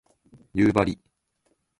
夕張